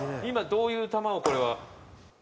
今、どういう球をこれは。